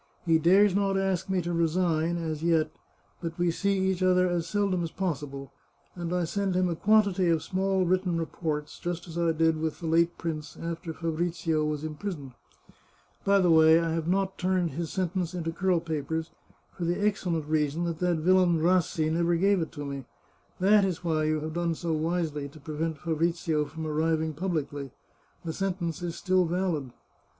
He dares not ask me to resign, as yet, but we see each other as seldom as possible, and I send him a quantity of small written reports, just as I did with the late prince after Fabrizio was imprisoned. By the way, I have not turned his sentence into curl papers, for the excellent reason that that villain Rassi never gave it to me. That is why you have done so wisely to prevent Fabrizio from arriving publicly. The sentence is still valid.